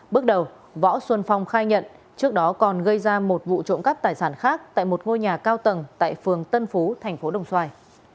bước đầu võ xuân phong khai nhận trước đó còn gây ra một vụ trộm cắp tài sản khác tại một ngôi nhà cao tầng tại phường tân phú thành phố đồng xoài